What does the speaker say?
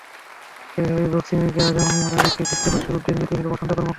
এভাবেই বক্সিং রিংয়ের রাজা মোহাম্মদ আলীকে চিত্রভাষ্যে রূপ দিয়েছেন চিত্রশিল্পী প্রশান্ত কর্মকার।